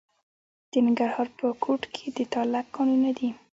د ننګرهار په کوټ کې د تالک کانونه دي.